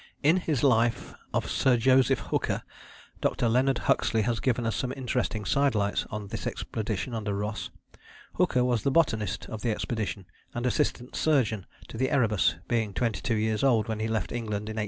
In his Life of Sir Joseph Hooker, Dr. Leonard Huxley has given us some interesting sidelights on this expedition under Ross. Hooker was the botanist of the expedition and assistant surgeon to the Erebus, being 22 years old when he left England in 1839.